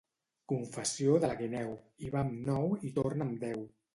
Confessió de la guineu, hi va amb nou i torna amb deu.